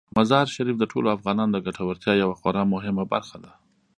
مزارشریف د ټولو افغانانو د ګټورتیا یوه خورا مهمه برخه ده.